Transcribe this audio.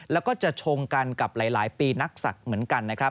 แล้วก็จะชงกันกับหลายปีนักศัตริย์เหมือนกันนะครับ